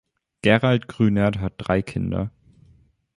Gerald Grünert hat drei Kinder.